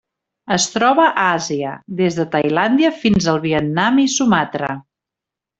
Es troba a Àsia: des de Tailàndia fins al Vietnam i Sumatra.